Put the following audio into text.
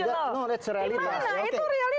itu adalah delusional